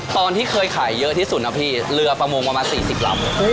ตอนที่เคยขายเยอะที่สุดนะพี่เรือปลาโมงมาประมาณ๔๐ลำ